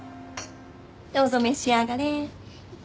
どうぞ召し上がれ。